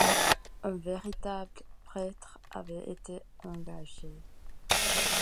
Un véritable prêtre avait été engagé.